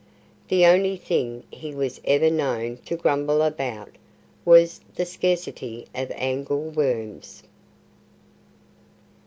The only thing he was ever known to grumble about was the scarcity of angleworms.